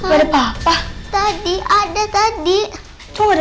seher dengan mam sasar